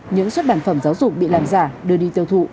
những xuất bản phẩm giáo dục bị làm giả đưa đi tiêu thụ